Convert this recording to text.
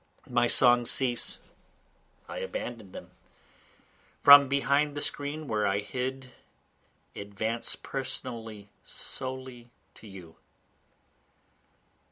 My songs cease, I abandon them, From behind the screen where I hid I advance personally solely to you.